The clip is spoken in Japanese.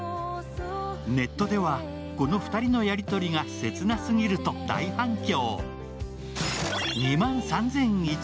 ネットではこの２人のやり取りが切なすぎると大反響。